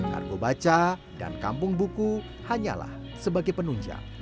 kargo baca dan kampung buku hanyalah sebagai penunjang